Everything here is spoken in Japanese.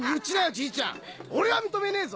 じいちゃん俺は認めねえぞ！